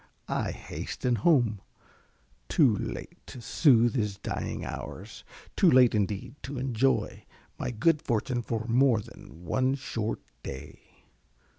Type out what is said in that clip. I hasten home too late to soothe his dying hours; too late indeed to enjoy my good fortune for more than one short day.